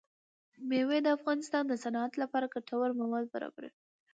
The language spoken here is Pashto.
مېوې د افغانستان د صنعت لپاره ګټور مواد برابروي.